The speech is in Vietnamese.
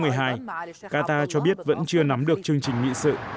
qatar cho biết vẫn chưa nắm được chương trình nghị sự